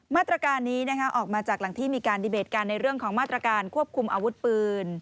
มาตรการนี้ออกมาจากหลังที่มีการดีเบตการในเรื่องของมาตรการควบคุมอาวุธปืน